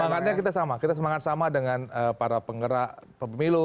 semangatnya kita sama kita semangat sama dengan para penggerak pemilu